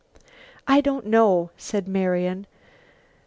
"I don't know," said Marian.